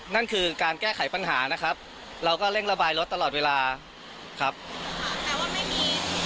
นั่นคือการแก้ไขปัญหานะครับเราก็เร่งระบายรถตลอดเวลาครับแต่ว่าไม่มี